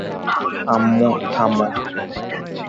আম্মু, থামো।